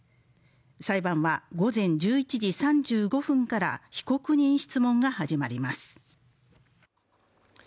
裁判は午前１１時３５分から被告人質問が始まります